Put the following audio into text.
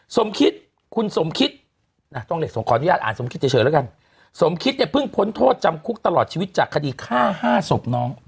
สมคิดเพิ่งพ้นโทษจำคุกตลอดชีวิตจากคดีฆ่า๕สมนอง